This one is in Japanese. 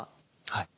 はい。